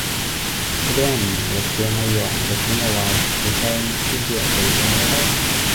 好多人唔明歷史有乜用，歷史咪話你聽邊啲人死咗囉